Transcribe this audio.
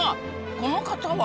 この方は？